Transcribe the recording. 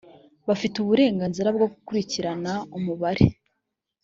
bafite uburenganzira bwo gukurikirana umubare